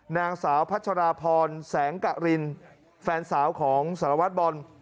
นางสาวพัชราพรแสงกะรินแฟนสาวของสารวัตรบอล